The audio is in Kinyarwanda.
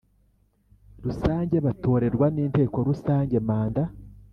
Rusange Batorerwa n Inteko Rusange manda